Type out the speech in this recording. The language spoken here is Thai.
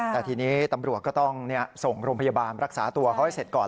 แต่ทีนี้ตำรวจก็ต้องส่งโรงพยาบาลรักษาตัวเขาให้เสร็จก่อน